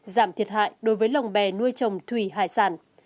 giảm thiệt hại đối với lồng bè nuôi trồng thủy hải sản